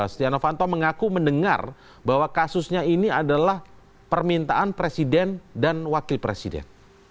setia novanto mengaku mendengar bahwa kasusnya ini adalah permintaan presiden dan wakil presiden